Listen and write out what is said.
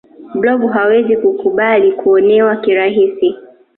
blob hawezi kukubali kuonewa kirahisi